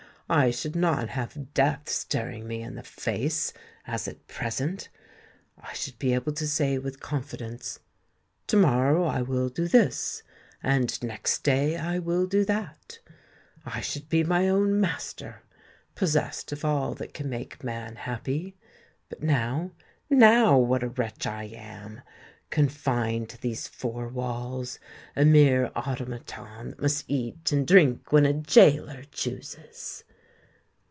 I should not have death staring me in the face, as at present! I should be able to say with confidence, 'To morrow I will do this,' and 'Next day I will do that.' I should be my own master, possessed of all that can make man happy. But, now—now what a wretch I am! Confined to these four walls—a mere automaton that must eat and drink when a gaoler chooses!"